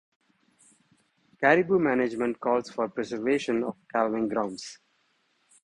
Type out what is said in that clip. Caribou management calls for preservation of calving grounds.